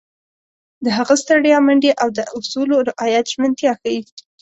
د هغه ستړیا، منډې او د اصولو رعایت ژمنتیا ښيي.